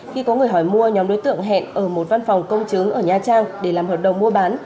khi có người hỏi mua nhóm đối tượng hẹn ở một văn phòng công chứng ở nha trang để làm hợp đồng mua bán